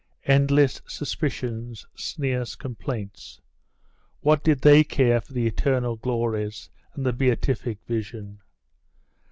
Endless suspicions, sneers, complaints.... what did they care for the eternal glories and the beatific vision?